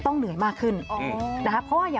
สวัสดีค่ะ